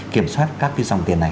kiểm soát các phiên xong tiền này